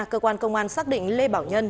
cơ quan công an xác định lê bảo nhân